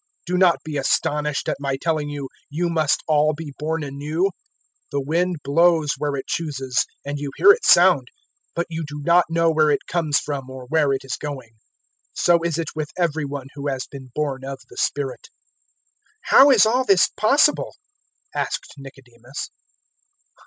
003:007 Do not be astonished at my telling you, `You must all be born anew.' 003:008 The wind blows where it chooses, and you hear its sound, but you do not know where it comes from or where it is going. So is it with every one who has been born of the Spirit." 003:009 "How is all this possible?" asked Nicodemus.